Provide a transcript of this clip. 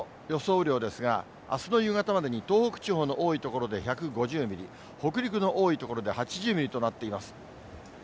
雨量ですが、あすの夕方までに東北地方の多い所で１５０ミリ、北陸の多い所では８０ミリとなっています。